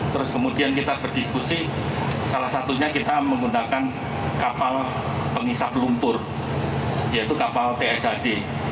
terus kemudian kita berdiskusi salah satunya kita menggunakan kapal pengisap lumpur yaitu kapal tshd